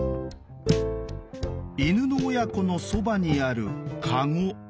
犬の親子のそばにあるかご。